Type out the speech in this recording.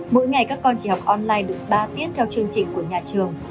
mỗi ngày các con chỉ học online được ba tiết theo chương trình của nhà trường